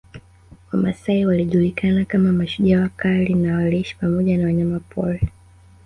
Wamasai walijulikana kama mashujaa wakali na waliishi pamoja na wanyamapori